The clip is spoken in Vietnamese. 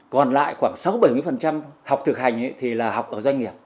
còn lại khoảng sáu bảy mươi học thực hành thì là học ở doanh nghiệp